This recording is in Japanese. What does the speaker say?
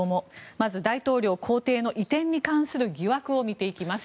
まず大統領公邸の移転に関する疑惑を見ていきます。